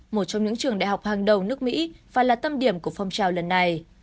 một trong những trường đại học hàng đầu nước mỹ và là tâm điểm của phong trào lần này